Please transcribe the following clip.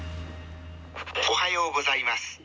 おはようございます。